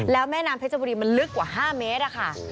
แล้วแม่น้ำเพชรบุรีมันลึกกว่า๕เมตรอะค่ะ